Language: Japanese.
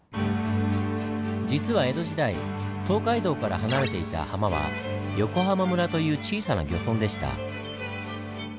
実は江戸時代東海道から離れていたハマは「横浜村」という小さな漁村でした。